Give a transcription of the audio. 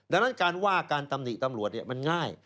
ดังนั้นการว่าการตำหนิตำรวจมันง่าย